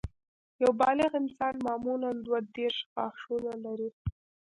یو بالغ انسان معمولاً دوه دیرش غاښونه لري